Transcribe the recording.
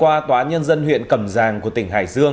đã tuyên án đối với tòa nhân dân huyện cầm giang của tỉnh hải dương